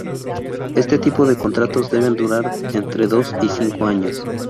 Este tipo de contratos deben durar entre dos y cinco años.